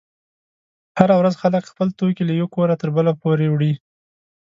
هره ورځ خلک خپل توکي له یوه کوره تر بله پورې وړي.